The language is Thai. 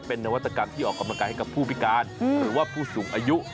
เป็นนวัตกรรมที่ออกกำลังกายให้กับผู้พิการหรือว่าผู้สูงอายุ